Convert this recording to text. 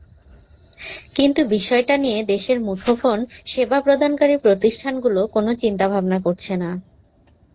কিন্তু বিষয়টা নিয়ে দেশের মুঠোফোন সেবা প্রদানকারী প্রতিষ্ঠানগুলো কোনো চিন্তাভাবনা করছে না।